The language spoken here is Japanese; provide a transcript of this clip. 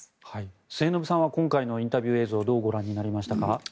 末延さんは今回のインタビュー映像をどうご覧になりましたか？